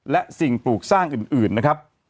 และสิ่งปลูกสร้างอื่นนะครับ